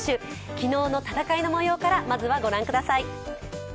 昨日の戦いの模様からまずはご覧ください。